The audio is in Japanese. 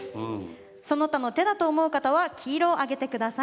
その他の手だと思う方は黄色を上げてください。